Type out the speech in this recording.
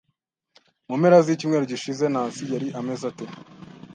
Mu mpera z'icyumweru gishize, Nancy yari ameze ate?